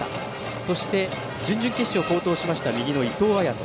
そして準々決勝、好投しました右の伊藤彩斗。